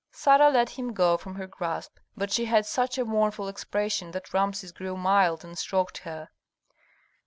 Sarah let him go from her grasp, but she had such a mournful expression that Rameses grew mild and stroked her.